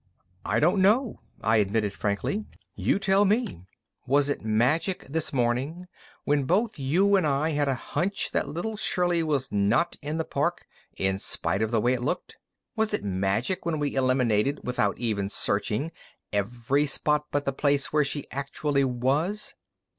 "I don't know," I admitted frankly. "You tell me. Was it magic this morning when both you and I had a hunch that little Shirley was not in the park, in spite of the way it looked? Was it magic when we eliminated, without even searching, every spot but the place where she actually was?"